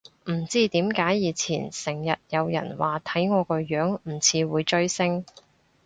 唔知點解以前成日有人話睇我個樣唔似會追星